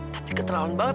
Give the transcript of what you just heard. tapi keterlaluan banget